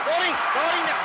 ゴールインです！